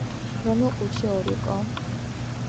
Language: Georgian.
რომელ ყუთშია ორი რკო?